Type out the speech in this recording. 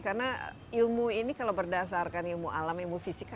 karena ilmu ini kalau berdasarkan ilmu alam ilmu fisika